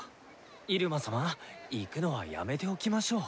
入間様行くのはやめておきましょう。